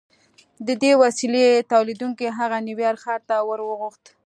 د دې وسیلې تولیدوونکي هغه نیویارک ښار ته ور وغوښت